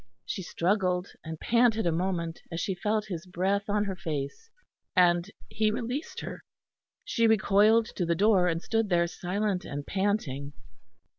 She struggled and panted a moment as she felt his breath on her face; and he released her. She recoiled to the door, and stood there silent and panting.